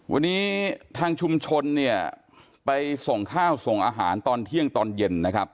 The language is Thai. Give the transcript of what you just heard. วันนี้ทางชุมชนเนี่ยไปส่งข้าวส่งอาหารตอนเที่ยงตอนเย็นนะครับ